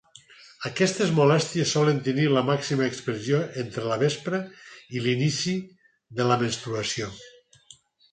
Aquestes molèsties solen tenir la màxima expressió entre la vespra i l'inici de la menstruació.